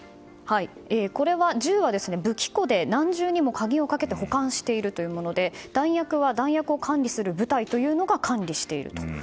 銃は武器庫で何重にも鍵をかけて保管しているというもので弾薬は弾薬を管理する部隊というのが管理していると。